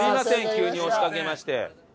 急に押しかけまして。